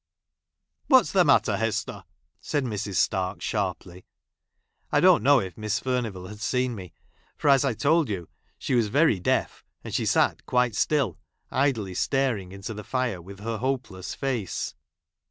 li "AVhat's tlie mattei', Hester!" said Mrs. Stark sharply. I don't know if Miss Furnivall had seen me, for, as I told you, she was very deaf, and she sat quite still, idly staring into the fire, with her hopeless face.